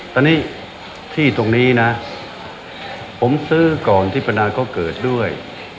ตัวนี้ผมซื้อก่อนที่พระนางเขาเกิดด้วย